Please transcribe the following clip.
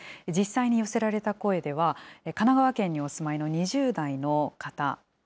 実際に寄せられた声では、神奈川県にお住まいの２０代の方。